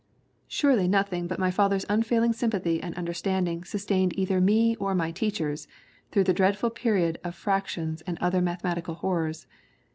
Surely nothing but my fa 332 THE WOMEN WHO MAKE OUR NOVELS ther's unfailing sympathy and understanding sus tained either me or my teachers, through the dreadful period of fractions and other mathematical horrors.